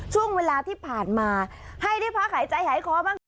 ช่วงเวลาที่ผ่านมาให้ได้พักหายใจหายคอบ้างค่ะ